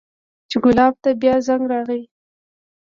چې ګلاب ته بيا زنګ راغى.